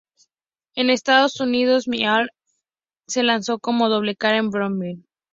En Estados Unidos "My All" se lanzó cómo doble cara con "Breakdown".